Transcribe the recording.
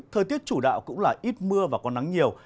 thời tiết chủ đạo cũng là ít mưa và có nắng nhiều